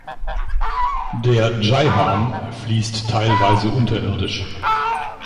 Der Ceyhan fließt teilweise unterirdisch.